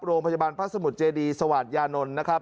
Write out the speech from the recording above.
โรงพยาบาลพระสมุทรเจดีสวาสยานนท์นะครับ